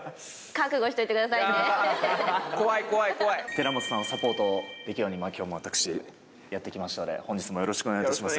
寺本さんをサポートできるように今日も私やって行きますので本日もよろしくお願いいたします。